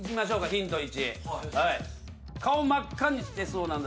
ヒント１。